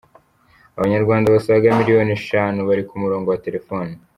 Abanyarwanda basaga Miliyoni eshanu bari ku murongo wa Telefoni